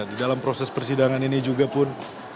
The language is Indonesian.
di dalam proses persidangan ini juga pun